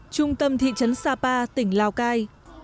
trung tâm thị trấn sapa tỉnh lào cai